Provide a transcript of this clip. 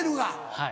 はい。